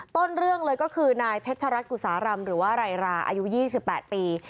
ต้นเรื่องเลยก็คือนายเพชรรัฐกุสารำหรือว่าไรราอายุ๒๘ปี